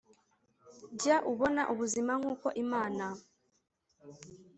jya ubona ubuzima nk uko imana